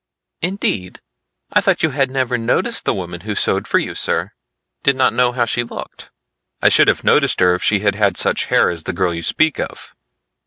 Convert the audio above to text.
"Indeed. I thought you had never noticed the woman who sewed for you, sir, did not know how she looked?" "I should have noticed her if she had had such hair as the girl you speak of."